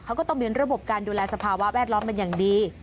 เขาก็ต้องมีระบบการดูแลสภาวะแวดล้อมเป็นอย่างดี